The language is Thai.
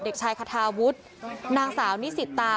เด็กชายคาทาวุฒินางสาวนิสิตา